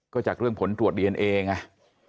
ก็จากเรื่องผลตรวจดีเอนเอไง